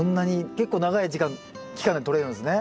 結構長い時間期間とれるんですね。